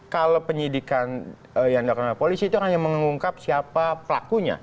kalau penyidikan yang dilakukan oleh polisi itu hanya mengungkap siapa pelakunya